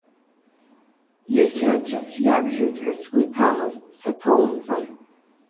Иахьа аӡәы сиабжьоит ҳәа сгәы иҭамызт, саҭоумҵан.